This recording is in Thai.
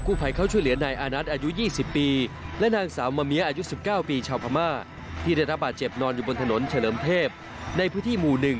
ผู้ภัยเข้าช่วยเหลือนายอานัทอายุ๒๐ปี